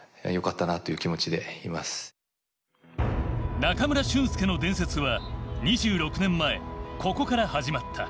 中村俊輔の伝説は２６年前ここから始まった。